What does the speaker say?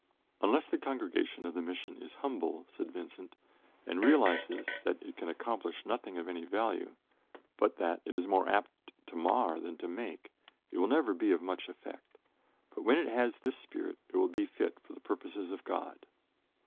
"Unless the Congregation of the Mission is humble," said Vincent, "and realizes that it can accomplish nothing of any value, but that it is more apt to mar than to make, it will never be of much effect; but when it has this spirit it will be fit for the purposes of God."